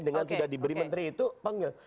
dengan sudah diberi menteri itu panggil